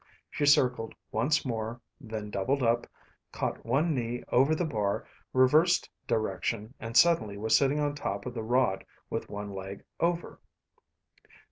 She circled once more, then doubled up, caught one knee over the bar, reversed direction, and suddenly was sitting on top of the rod with one leg over.